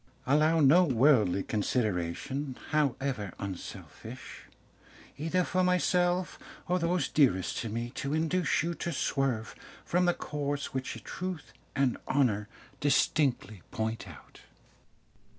"Allow no worldly consideration, however unselfish, either for myself or those dearest to me, to induce you to swerve from the course which truth and honour distinctly point out.